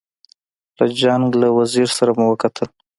له جنګ له وزیر سره مو وکتل.